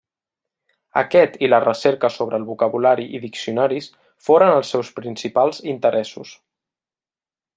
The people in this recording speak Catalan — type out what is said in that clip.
Aquest i la recerca sobre el vocabulari i diccionaris foren els seus principals interessos.